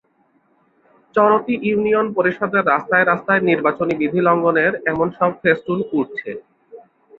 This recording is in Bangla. চরতী ইউনিয়ন পরিষদের রাস্তায় রাস্তায় নির্বাচনী বিধি লঙ্ঘনের এমন সব ফেস্টুন উড়ছে।